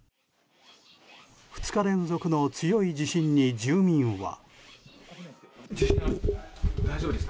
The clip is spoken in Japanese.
２日連続の強い地震に住民は。